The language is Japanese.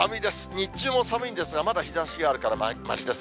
日中も寒いんですが、まだ日ざしがあるから、ましです。